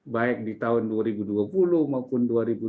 baik di tahun dua ribu dua puluh maupun dua ribu dua puluh